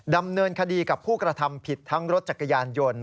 ดำเนินคดีกับผู้กระทำผิดทั้งรถจักรยานยนต์